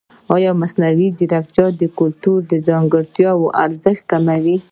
ایا مصنوعي ځیرکتیا د کلتوري ځانګړتیاوو ارزښت نه کموي؟